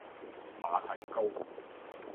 馬蹄糕